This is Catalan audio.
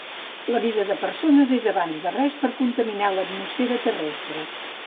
La vida de persones és abans de res per contaminar l'atmosfera terrestre